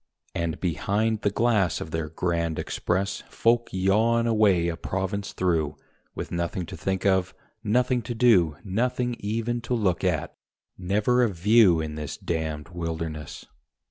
And behind the glass of their Grand Express Folk yawn away a province through, With nothing to think of, nothing to do, Nothing even to look at never a "view" In this damned wilderness.